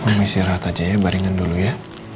mama isi rahat aja ya baringan dulu ya